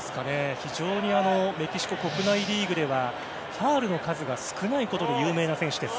非常にメキシコ国内リーグではファウルの数が少ないことで有名な選手です。